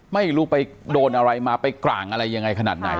ไม่รู้ไปโดนอะไรมาไปกลางอะไรยังไงขนาดไหน